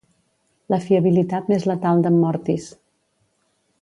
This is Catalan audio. La fiabilitat més letal d'en Mortis.